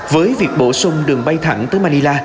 với việc bổ sung đường bay thẳng tới manila